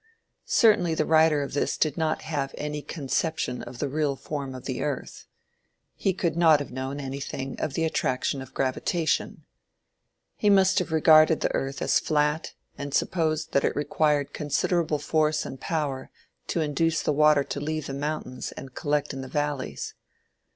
Certainly the writer of this did not have any conception of the real form of the earth. He could not have known anything of the attraction of gravitation. He must have regarded the earth as flat and supposed that it required considerable force and power to induce the water to leave the mountains and collect in the valleys.